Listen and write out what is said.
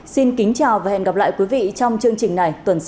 xin kính chào và hẹn gặp lại quý vị trong chương trình này tuần sau